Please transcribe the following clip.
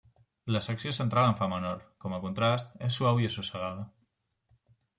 La secció central en fa menor, com a contrast, és suau i assossegada.